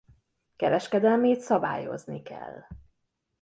Kereskedelmét szabályozni kell.